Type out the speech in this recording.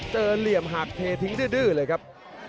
เหลี่ยมหักเททิ้งดื้อเลยครับ